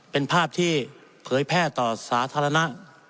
เป็นภาพที่เผยแพร่ต่อสาธารณะ